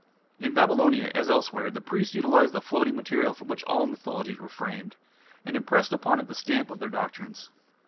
In Babylonia, as elsewhere, the priests utilized the floating material from which all mythologies were framed, and impressed upon it the stamp of their doctrines.